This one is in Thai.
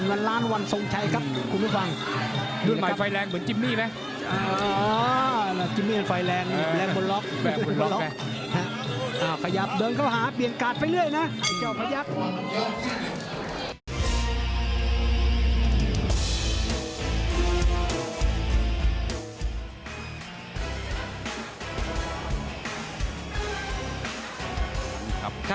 วันล้านวันทรงชัยครับ